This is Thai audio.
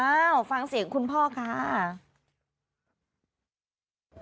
อ้าวฟังเสียงคุณพ่อค่ะ